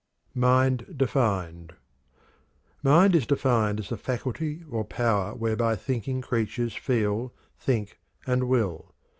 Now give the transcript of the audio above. MIND DEFINED. Mind is defined as "the faculty or power whereby thinking creatures, feel, think, and will."